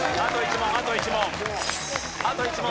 あと１問あと１問。